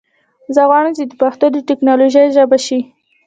زه غواړم چې پښتو د ټکنالوژي ژبه شي.